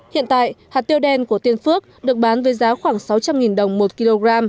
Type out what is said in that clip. hiện tại hạt tiêu đen của tiên phước được bán với giá khoảng sáu trăm linh đồng một kg